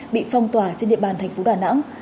bị phong tỏa trên địa bàn thành phố đà nẵng